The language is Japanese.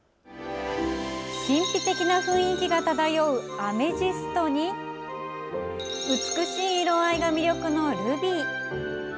神秘的な雰囲気が漂うアメジストに美しい色合いが魅力のルビー。